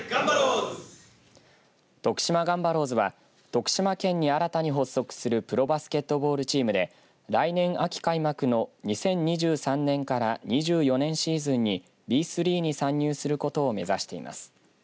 徳島ガンバロウズは徳島県に新たに発足するプロバスケットボールチームで来年、秋開幕の２０２３年から２４年シーズンにＢ３に参入することを目指しています。